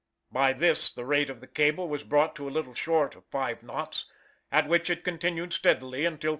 By this the rate of the cable was brought to a little short of five knots, at which it continued steadily until 3.